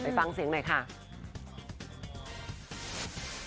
ฟังเสียงหน่อยค่ะ